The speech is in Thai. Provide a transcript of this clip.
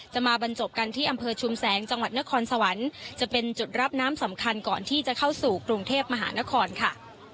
มาบรรจบกันที่อำเภอชุมแสงจังหวัดนครสวรรค์จะเป็นจุดรับน้ำสำคัญก่อนที่จะเข้าสู่กรุงเทพมหานครค่ะ